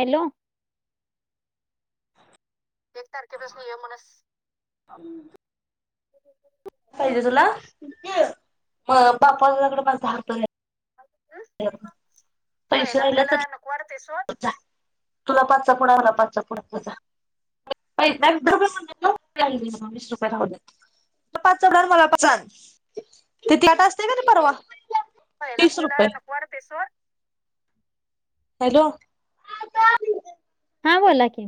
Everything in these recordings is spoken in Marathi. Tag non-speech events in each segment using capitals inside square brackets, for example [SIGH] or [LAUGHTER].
हॅलो. एक तारखेपासून ये म्हणस पाहिजे तुला? म बाप्पाकडे माझा दहा रुपये आहेत. पैसे पहिला, राहिले तर पहिला नको वाटतंय सोड. जा तुला पाचचा पुडा आण, मला पाच पुडा आणजा जा. [UNINTELLIGIBLE] वीस रुपये राहू देत. पाचचा आण मला पाचचा आण तिती आता [UNINTELLIGIBLE] असते का त परवा पहिला तीस पहिला रुपये नको वाटतंय सोड. हॅलो! हा बोला की.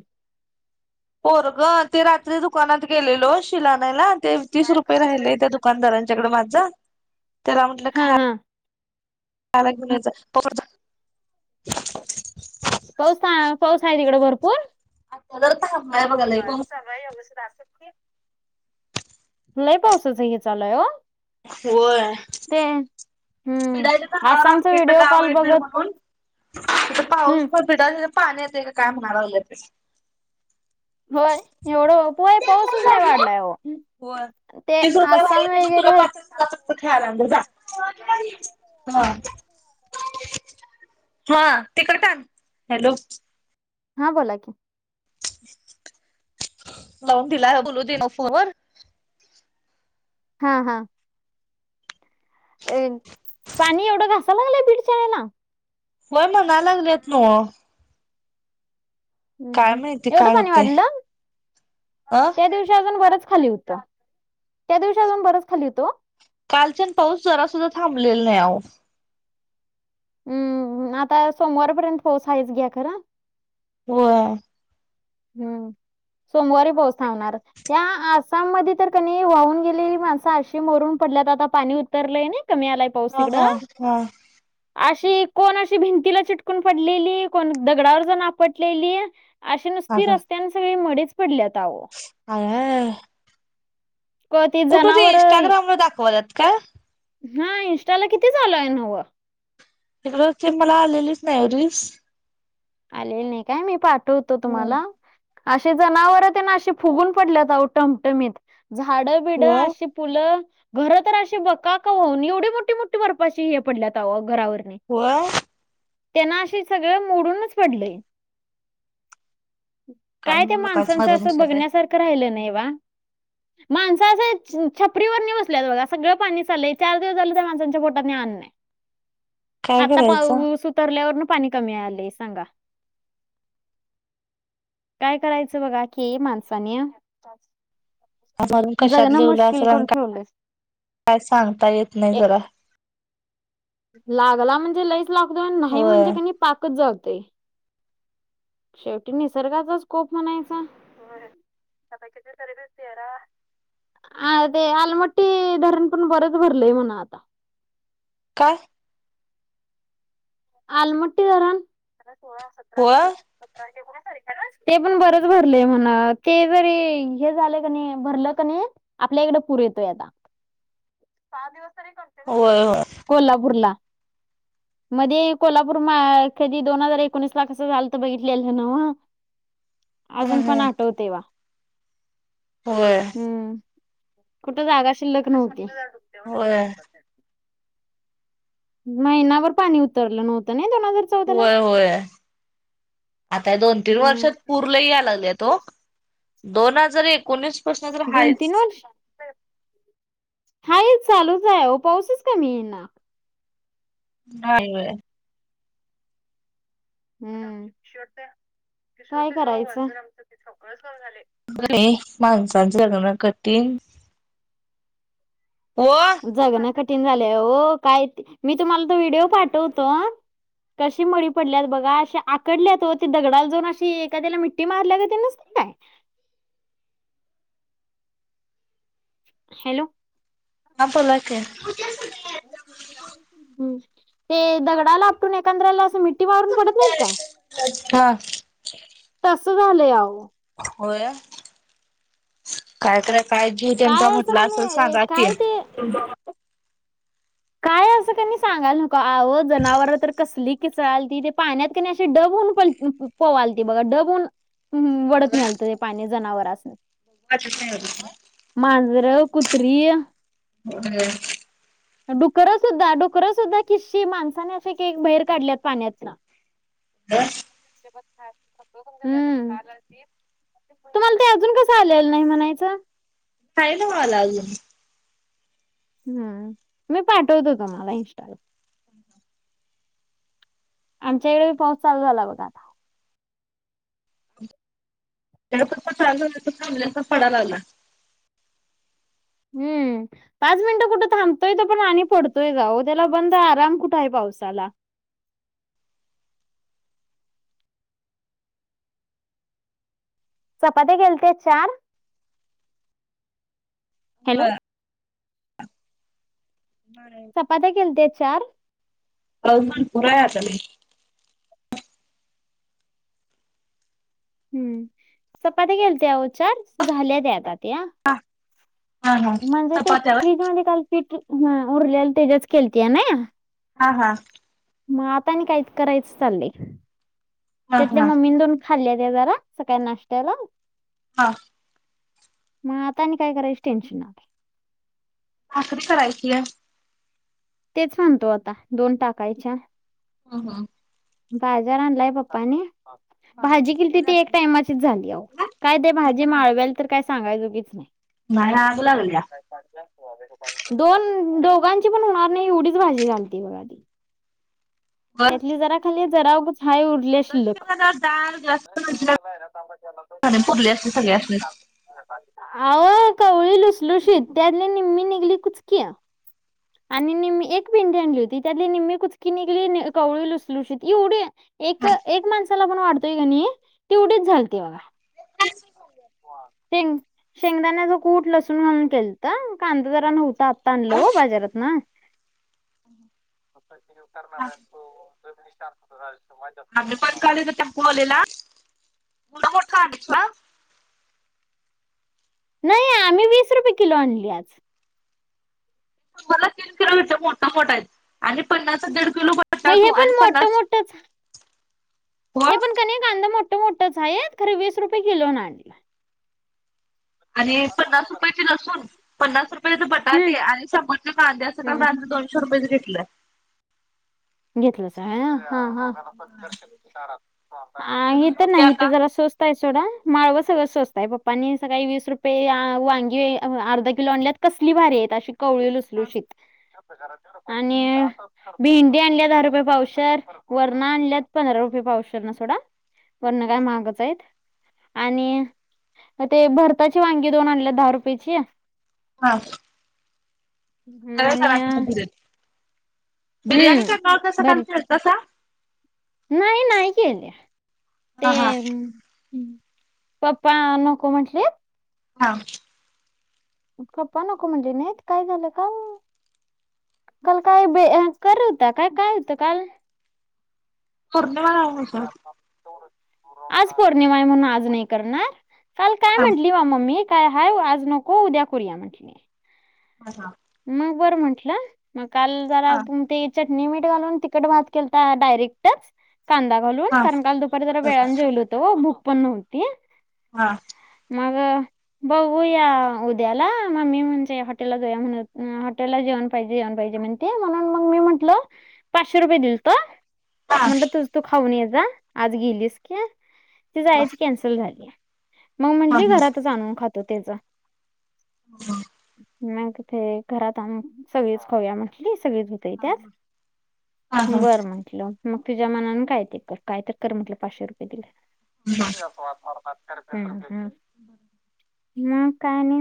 पोरगं ते रात्री दुकानात गेलेलं ओ शील आणायला ते तीस व्यायाम रुपये कसं चालू राहिलय आहे त्या तुमचं दुकानदारांच्याकड माझं त्याला म्हटलं हा खा हा त्याला म्हटलं खायला घेऊन ये जा. पाऊस हा पाऊस आहे तिकडे भरपूर? [UNINTELLIGIBLE] लई पाऊस [UNINTELLIGIBLE] लय पावसाचं हे चालूय ओ. होय. ते बिडायच हम्म आसामचा नाते व्हिडिओ कॉल गावा भर बघत म्हणून तथ पाऊस हम्म पड पिठा पाणी येते काय म्हणायला लागल्यात. व्हय एवढं पोय पाऊसच लय वाढलाय ओ. होय. ते तीस रुपये राहिले आसाम त्यातले वगैरे हाईत. [INAUDIBLE] हा [UNINTELLIGIBLE] हा बोला की. लावून दिला बोलू दिना फोनवर. हा हा. अ पाणी एवढं घासाय लागलंय बीडचाराला? व्हय म्हणाय लागल्यात नव. हम्म काय हम्म, माहिती एवढं काय पाणी होतंय. वाढलं अ त्या दिवशी अजून बरच खाली हुत. त्या दिवशी अजून बरच खाली होतं व. कालच्यानं पाऊस जरासुद्धा थांबलेला नाही अहो. हम्म, आता सोमवारपर्यंत पाऊस घ्या खर‌. होय. हम्म, सोमवारी पाऊस थांबणार. त्या आसाममध्ये तर कनी वाहून गेलेली माणसं आशी मरून पडल्यात आता पाणी उतरलंय नाही कमी आलाय. पाऊस हा तिकडं हा हा अशी कोण अशी भिंतीला चिटकून पडलेली कोण दगडावर जाऊन आपटलेली. अशी नुसत अगं रस्त्याने सगळी मडीच पडल्यात अहो. क ती कुठे ते जनावर इंस्टाग्राम वर दाखवल्यात काय? हा इनस्टाला किती चालूय नवं. तिकडं क मला आलेलीच नाही हो रिल्स. आलेल नाही काय मी पाठवतो होय तुम्हाला. असे जनावर ते ना असे फुगून पडलेऊटमटमीत झाडं बिड होय अशी फलं घर तर असशी बका का होन एवढी मोठी मोठी भरपाशी हे पडल्यातवं घरावर. होय. त्यांना असे सगळं मोडूनच पडलय. काय त्या लोकांची माणसांचं मरण असं दिसत आहे. बघण्यासारखं राहिलं नाही बा. माणसं असं छपरी ववर नि बसल्या बघा सगळं पाणी चाललंय चार दिवस झालं तर माणसांच्या पोटाने आण नाही. काय आता करायचं पाऊस उतरल्यावरन पाणी कमी आले सांगा. काय करायचं बघाखी ये माणसाने. मरून कशात जगण लिवलं मुश्किल असेल आणि करून ठेवलय काय सांगता येत नाही जरा, लागला म्हणजे लईच लागतो आणि नाही म्हणजे होय कनी पाकच जळतय शेवटी निसर्गाचाच कोप म्हणायचा [UNINTELLIGIBLE] [UNINTELLIGIBLE] हा ते आलमट्टी धरण पण बरंच भरलय म्हणा आता, काय आलमाट्टी धरण व्ह [UNINTELLIGIBLE] [UNINTELLIGIBLE] ते पण बरच भरले म्हणा ते जरी हे झाले क नाही भरलं क नाही आपल्या इकड पुरे येतोय आता पाच दिवस तरी, होय [UNINTELLIGIBLE] होय कोल्हापूरला मध्ये [UNINTELLIGIBLE] कोल्हापूर म कधी दोन हजार एकोणीस ला कसं झालंत बघितलेलं ना अजून पण हम्म आठवतेव्हा होय, हम्म, कुठ जागा शिल्लक नव्हती होय, महिनावर पाणी उतरलं नव्हतं नाही [UNINTELLIGIBLE] होय होय, आता या दोन तीन हम्म वर्षात पुर लय यायला लागले तो, दोन हजार एक दोन तीन वर्ष हाय चालूच आहे ओ, पाऊसच कमी ई ना [UNINTELLIGIBLE] हम्म, [UNINTELLIGIBLE] [UNINTELLIGIBLE] जगणं कठीण झालंय हो, काय मी तुम्हाला तो व्हिडिओ पाठवतो हं कशी मडी पडल्यात बघा, आशे आकडल्यात हो ती दगडाला जाऊन अशी एखाद्याला मि [UNINTELLIGIBLE] हॅलो बोला की हम्म, ते दगडाला आपटून एकांद्रला अस मि्टठी मारून पडत नाहीत काय [UNINTELLIGIBLE] हं तस झालंय आहो होय, कायकडे काय जीव त्यांचा काय असं म्हटला असेल कणी सांगा की? काय ते काय अस तस त्यांनी सांगाल नको, आहो जनावर तर कसली किचल त ते पाण्यातकी नाय असे डब होऊन प पवालती बघा डबून वडत नि आलत ते पाणी जनावर अस [UNINTELLIGIBLE] मांजर, कुत्री, [UNINTELLIGIBLE] डुकरं सुद्धा डुकरं सुद्धा किस्शी माणसाने अे बाहेर काढल्यात पाण्यातना [UNINTELLIGIBLE] हम्म, तुम्हाला ते अजून कसं आलेलं नाही म्हणायचं खायलावाला अजून हम्म, मी पाठवतो तुम्हाला इंस्टा आमच्याकडे पाऊस चालू झाला बघा आता ते पप्पा चालू थांबल्याचा पडाय लागलं. हम्म. पाच मिनिटं कुठं थांबतोय तर आणि पडतोयच त्याला बंद आराम कुठे आहे पावसाला. चपाती गेलत्या चार हॅलो. होय. हा चपात्या केलत्या चार. पाऊस भरपूर आहे आता लय. हम्म चपाती केलत्या चार झाल्या त्या आता ते हा हा हा म्हणजे ते चपात्या होय? फ्रीज मध्ये काल पीठ उरलेलं त्याच्याच केलत्या ना हा हा. मग आता आणि काहीच करायचं चालले हा त्यातल्या हा मम्मी दोन खाल्लाय त्या जरा सकाळी नाष्टत्याला. हा. मग आता आणि काय करायची टेन्शन नाही. भाकरी करायची आहे. तेच म्हणतो आता दोन टाकायच्या. ह ह ह. बाजार आणलाय पप्पांनी. हा भाजी केलीती ती एक दर्शन टाइमाचीच झाली अहो काय ते भाजी माळवेला तर काय सांगायजो कीच नाही. बाहेर आग लागल्या. दोन दोघांची पण होणार नाही एवढीच भाजी झालती बघा. बर त्यातली जरा खाली जरा उगच हाय शिल्लक [UNINTELLIGIBLE] डाळ जास्त म्हणजे पुरले असते सगळे असती सगळ्यांसनी. आव कावळी लुसलोशीत त्याली निम्मी निघली कुजकी. आणि निम्मी एक पेंडी आणली होती त्यातली निम्मी कुचकी निघली कवळी लुसलुशीत एवढे एक एक माणसाला पण वाढतोय का नाही तेवढीच झालते बघा. शेंग शेंगदाण्या जो कूठ लसूण घालून केलत तर कांदा जरा नव्हता आ तन तो बाजारत ना करणार आहे तो जनिसर अ माज आम्ही पण काल इथ टेम्पो आलेला केवढा मोठा आलेला नाही आम्ही वीस रुपये किलो आणले तुम्हाला तीन किलो घेत मोठा मोठा आहेत. आणि पन्नासला दिड किलो मग नार तू हे आणि पण मोठं पन्नास मोठंच हो हे पण कनी कांदा मोठं मोठंच आहे. खर वीस रुपये किलोन आणलाय. आणि पन्नास रुपयाची लसून पन्नास रुपयाचे तर हम्म बटाटे आणि शंभरचे कांदे असं काल हम्म रात्री दोनशे रुपयाच घेतलं. घेतलंसा होय हा हा लं. तू त नाही झोपल्या हित का? जरा स्वस्त त आहे सोडा माळवं सगळं स्वस्त हाय सोडा पप्पांनी सकाळी वीस रुपये वांगी अर्धा किलो आणल्यात कसली भारी आहेत अशी कवळी लुसलुशीत आणि भेंडी डी आणलिया दहा रुपये पावशेर वरना आणल्यात पंधरा रुपये पावशेरन सोडा वरणा काय महागच आहेत. आणि ते भरताची वांगी दोन आणल्यात दहा रुपयाची. हा. [UNINTELLIGIBLE] आणि करा की बघुदेत बिर्याणी हम्म करणार होत्यासा काल भरीत केलंत्यासा नाही नाही केले ते हा हा पप्पा नको म्हटले- हा पप्पा नको म्हटले नाहीत काय झालं काल काल काय बे कर होता काय काय होतं काल पौर्णिमा हा हा [INAUDIBLE] आज पौर्णिमा आहे म्हणून आज नाही करणार, काल काय हा म्हंटली वा मम्मी काय हाय आज नको उद्या करुया म्हंटली हा हा मग, बरं म्हंटलं मग काल जरा हा चटणी, मीठ घालून तिखट भात केलता डायरेक्टच कांदा घालून हा कारण काल दुपारी जरा वेळान जेवलो होतो हो भूक पण नव्हती हा,, मग बघूया उद्याला मग ममी म्हणजे हॉटेलला जाऊया म्हणत हॉटेलला जेवण पाहिजे जेवन पाहिजे म्हणती म्हणून मग मी म्हंटल पाचशे रुपये दिलत म्हणलं तूज् तू खाऊन ये जा आज गेलीस की ती जायची कॅन्सल कॅन्सल झाली मग म्हटली घरातच आणून खातो त्याच मग तेे घरात आणून सगळीच खाऊया म्हटली सगळीच तय त्यात हा बरं मग म्हटलं मग तुझ्या मनान काय ते कर काय तर कर म्हटलं पाचशे रुपये दिल हम्म ह [INAUDIBLE] मग काय आणि?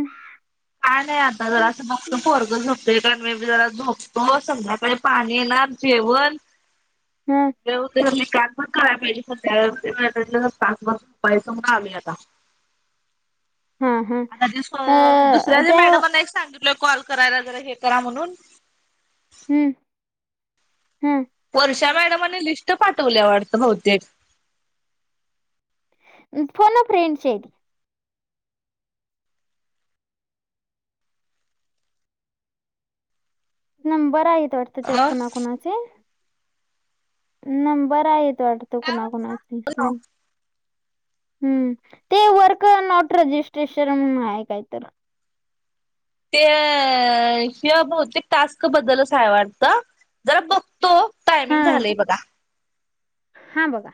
काय नाही आता जरा असं बघतो पोरग झोपतय काय आणि मी पण जरा झोपतो संध्याकाळी पाणी येणार जेवण हम्म जेव पण देणार नाही हा हा आता दुसऱ्या अ ज्या त्या मॅडमांना एक सांगितलोय कॉल करायला जरा हे करा म्हणून हम्म हम्म वर्षा मॅडमानी लिस्ट पाठवलिया वाटतं बहुतेक फोन अ फ्रेंड चे नंबर आहेत वाटतं त्यात अ कुणाकुणाचे नंबर आहेत वाटतं काय कुणा कुणाची म्हणला हम्म ते वर्क नॉट रजिस्ट्रेशन म्हणून आहे काय तर ते हे बहुतेक टास्क बद्दलचय आहे वाटत जरा बघ तो टायमिंग झालाय बघा हा बघा